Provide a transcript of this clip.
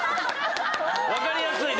分かりやすい！